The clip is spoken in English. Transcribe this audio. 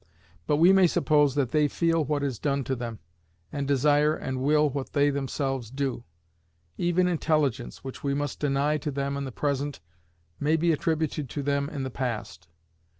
But we may suppose that they feel what is done to them, and desire and will what they themselves do. Even intelligence, which we must deny to them in the present, may be attributed to them in the past.